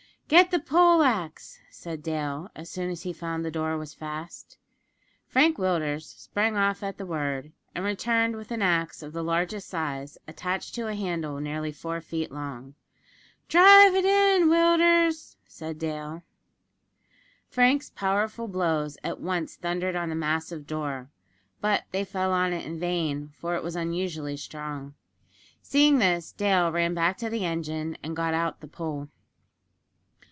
"Get the pole axe," said Dale, as soon as he found the door was fast. Frank Willders sprang off at the word, and returned with an axe of the largest size attached to a handle nearly four feet long. "Drive it in, Willders," said Dale. Frank's powerful blows at once thundered on the massive door; but they fell on it in vain, for it was unusually strong. Seeing this, Dale ran back to the engine, and got out the pole.